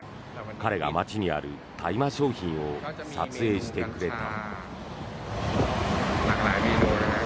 彼が街にある大麻商品を撮影してくれた。